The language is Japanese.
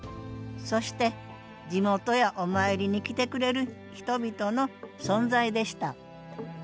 そして地元やお参りに来てくれる人々の存在でした